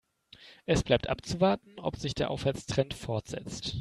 Es bleibt abzuwarten, ob sich der Aufwärtstrend fortsetzt.